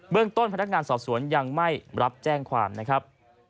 เรื่องต้นพนักงานสอบสวนยังไม่รับแจ้งความนะครับ